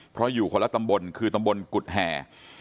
เพราะอยู่คนละตำบลคือตำบลกุฎแห่